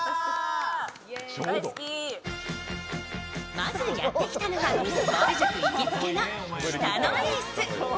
まずやってきたのはぼる塾行きつけの北野エース。